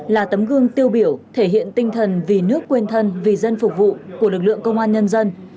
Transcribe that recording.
là tấm gương tiêu biểu thể hiện tinh thần vì nước quên thân vì dân phục vụ của lực lượng công an nhân dân